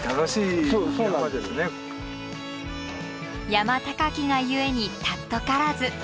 山高きが故に貴からず。